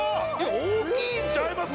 大きいんちゃいます？